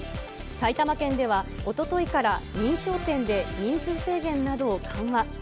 埼玉県では、おとといから認証店で人数制限などを緩和。